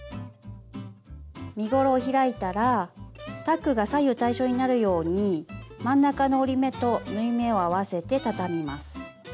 身ごろを開いたらタックが左右対称になるように真ん中の折り目と縫い目を合わせて畳みます。